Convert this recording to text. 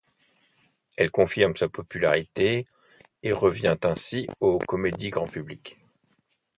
Elle confirme sa popularité et revient ainsi aux comédies grand public.